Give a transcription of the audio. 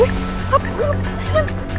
wih hape belum ngerasain